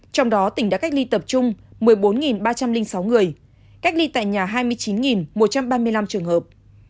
trong đó tỉnh đã cách ly tập trung một mươi bốn ba trăm linh sáu người cách ly tại nhà hai mươi chín một trăm ba mươi năm trường hợp